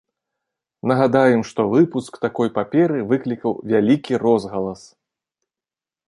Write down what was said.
Нагадаем, што выпуск такой паперы выклікаў вялікі розгалас.